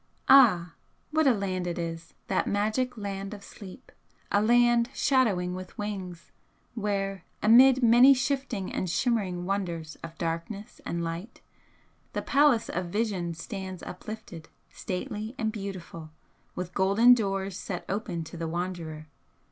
Ah, what a land it is, that magic Land of Sleep! a land 'shadowing with wings,' where amid many shifting and shimmering wonders of darkness and light, the Palace of Vision stands uplifted, stately and beautiful, with golden doors set open to the wanderer!